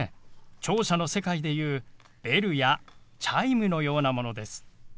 聴者の世界でいうベルやチャイムのようなものです。